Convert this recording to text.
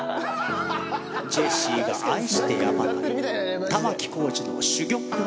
ジェシーが愛してやまない玉置浩二の珠玉のバラード。